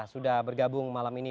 sudah bergabung malam ini